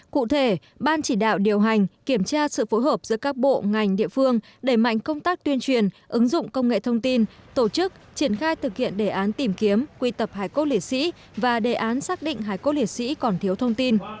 cụ thể ban chỉ đạo điều hành kiểm tra sự phối hợp giữa các bộ ngành địa phương đẩy mạnh công tác tuyên truyền ứng dụng công nghệ thông tin tổ chức triển khai thực hiện đề án tìm kiếm quy tập hải cốt lễ sĩ và đề án xác định hải cốt liệt sĩ còn thiếu thông tin